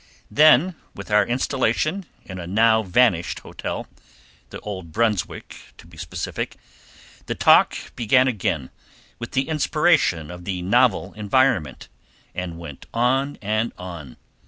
Then, with our installation in a now vanished hotel (the old Brunswick, to be specific), the talk began again with the inspiration of the novel environment, and went on and on.